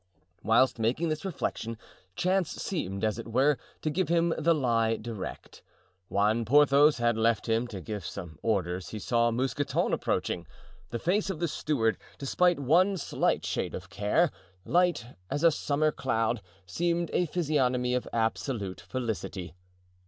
Whilst making this reflection, chance seemed, as it were, to give him the lie direct. When Porthos had left him to give some orders he saw Mousqueton approaching. The face of the steward, despite one slight shade of care, light as a summer cloud, seemed a physiognomy of absolute felicity.